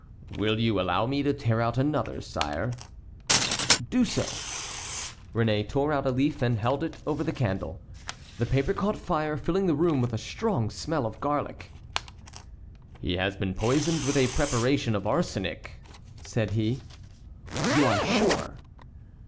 "Will you allow me to tear out another, sire?" "Do so." Réné tore out a leaf and held it over the candle. The paper caught fire, filling the room with a strong smell of garlic. "He has been poisoned with a preparation of arsenic," said he. "You are sure?"